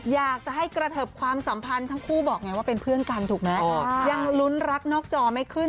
อยากจะให้กระเทิบความสัมพันธ์ทั้งคู่บอกไงว่าเป็นเพื่อนกันถูกไหมยังลุ้นรักนอกจอไม่ขึ้น